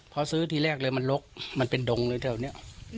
เพราะซื้อที่แรกเลยมันลกมันเป็นดงเลยเท่านี้อืม